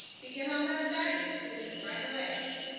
Begin on that baggage, Susan, right away."